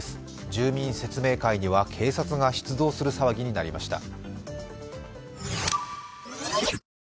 住民説明会には警察が出動する騒ぎになりました。